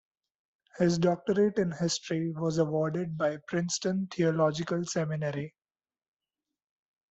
His doctorate in history was awarded by Princeton Theological Seminary.